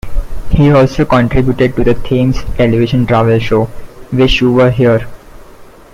He also contributed to the Thames Television travel show Wish You Were Here...?